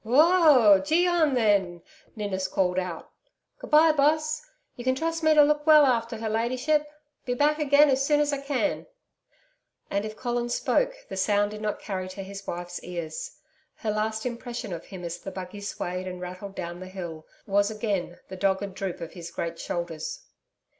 'Wo oh! Gee on then!' Ninnis called out. 'Good bye, Boss. You can trust me to look well after her ladyship.... Be back again as soon as I can.' And if Colin spoke, the sound did not carry to his wife's ears. Her last impression of him as the buggy swayed and rattled down the hill was again the dogged droop of his great shoulders.